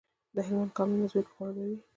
د هلمند کانالونه ځمکې خړوبوي.